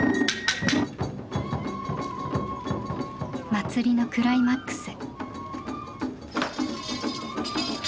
祭りのクライマックス。